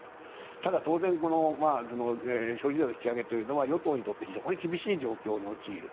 ただ当然、消費税の引き上げというのは与党にとって非常に厳しい状況に陥る。